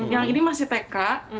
yang ini masih tk